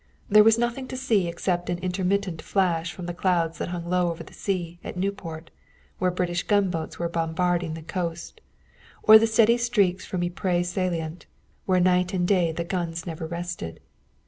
There was nothing to see except an intermittent flash from the clouds that hung low over the sea at Nieuport, where British gunboats were bombarding the coast; or the steady streaks from the Ypres salient, where night and day the guns never rested.